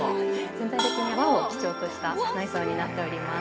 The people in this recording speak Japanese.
◆全体的に和を基調とした内装になっております。